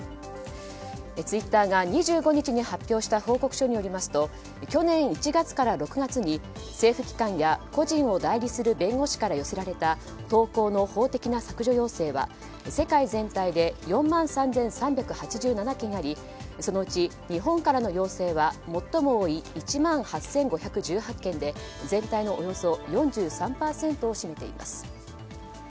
ツイッターが２５日に発表した報告書によりますと去年１月から６月に政府機関や個人を代理する弁護士から寄せられた投稿の法的な削除要請は世界全体で４万３３８７件ありそのうち日本からの要請は最も多い１万８５１８件で全体のおよそ４３％を占めています。